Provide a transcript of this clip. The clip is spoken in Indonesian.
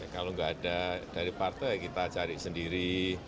kalau nggak ada dari partai kita cari sendiri